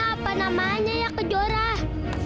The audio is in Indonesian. apa namanya ya kejorah